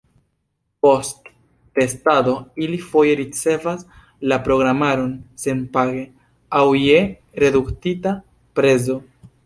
Post testado ili foje ricevas la programaron senpage aŭ je reduktita prezo.